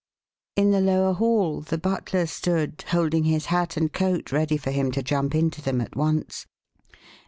In the lower hall the butler stood, holding his hat and coat ready for him to jump into them at once.